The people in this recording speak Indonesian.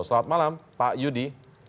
selamat malam pak yudi